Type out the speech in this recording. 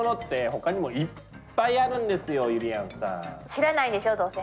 知らないんでしょどうせ。